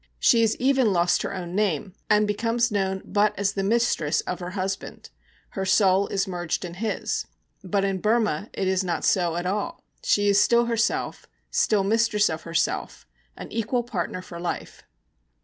She has even lost her own name, and becomes known but as the mistress of her husband; her soul is merged in his. But in Burma it is not so at all. She is still herself, still mistress of herself, an equal partner for life.